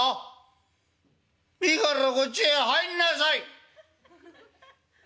いいからこっちへ入んなさい！」。